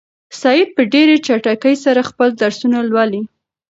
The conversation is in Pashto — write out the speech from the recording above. سعید په ډېرې چټکۍ سره خپل درسونه لولي.